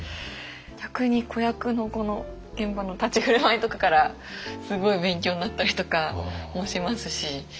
逆に子役の子の現場の立ち居振る舞いとかからすごい勉強になったりとかもしますし。